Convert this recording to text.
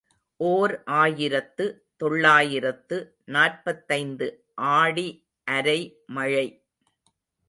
ஓர் ஆயிரத்து தொள்ளாயிரத்து நாற்பத்தைந்து ஆடி அரை மழை.